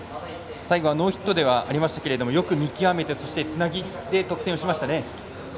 最後はノーヒットではありましたけどよく見極めて、そしてつないで得点をしましたね。